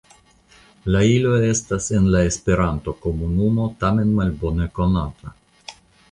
La ilo estas en la Esperantokomunumo tamen malbone konata.